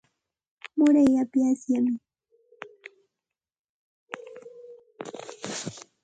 Muray api asyami.